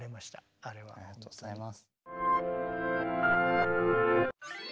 ありがとうございます。